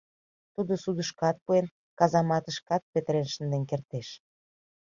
Тудо судышкат пуэн, казаматышкат петырен шынден кертеш.